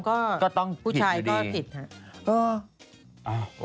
ก็แต่ต้องผิดเลยก็